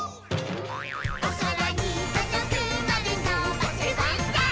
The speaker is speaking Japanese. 「おそらにとどくまでのばせバンザイ」